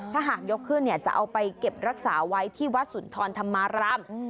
ถ้าหากยกขึ้นจะเอาไปเก็บรักษาไว้ที่วัดสุนทรธรรมาราม